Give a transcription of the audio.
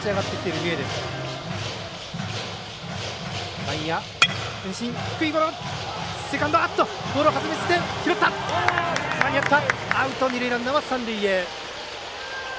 二塁ランナーは三塁へ。